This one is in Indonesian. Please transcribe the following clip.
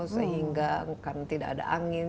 sehingga kan tidak ada angin